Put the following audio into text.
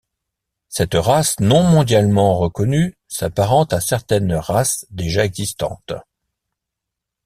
Cette race non mondialement reconnue s'apparente à certaines races déjà existantes.